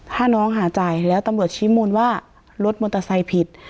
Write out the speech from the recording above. ถ้าน้องหาจ่ายแล้วตามบทชิมมูลว่ารถมอเตอร์ไซต์ผิด